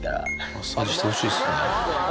マッサージしてほしいですね。